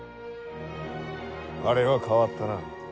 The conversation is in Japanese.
あれは変わったな。